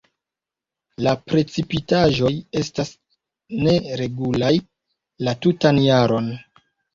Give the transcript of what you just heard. La precipitaĵoj estas neregulaj la tutan jaron.